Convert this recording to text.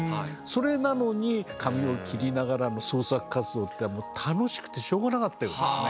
それなのに紙を切りながらの創作活動ってもう楽しくてしょうがなかったようですね。